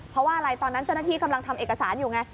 เพราะว่าอะไรตอนนั้นเจ้าหน้าที่กำลังทำเอกสารอยู่ไง